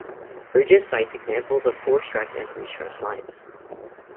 Bridges cites examples of four-stress and three-stress lines.